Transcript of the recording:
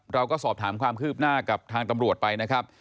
เราก็สอบถามความคืบหน้ากับทางตำรวจไปนะครับ